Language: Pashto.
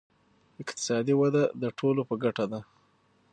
اقتصادي وده د ټولو په ګټه ده.